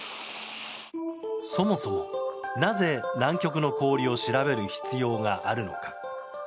そもそも、なぜ南極の氷を調べる必要があるのか。